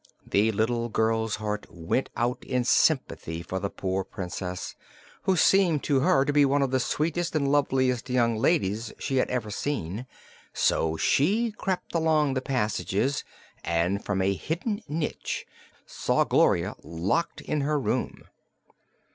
The little girl's heart went out in sympathy for the poor Princess, who seemed to her to be one of the sweetest and loveliest young ladies she had ever seen, so she crept along the passages and from a hidden niche saw Gloria locked in her room.